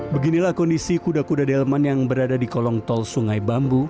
beginilah kondisi kuda kuda delman yang berada di kolong tol sungai bambu